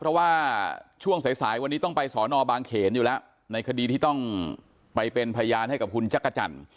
เพราะว่าช่วงสายสายวันนี้ต้องไปสอนอบางเขนอยู่แล้วในคดีที่ต้องไปเป็นพยานให้กับคุณจักรจันทร์